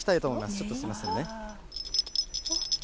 ちょっとすみませんね。